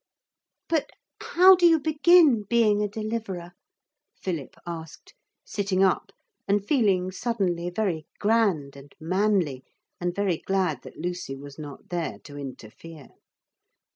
'But how do you begin being a Deliverer?' Philip asked, sitting up and feeling suddenly very grand and manly, and very glad that Lucy was not there to interfere.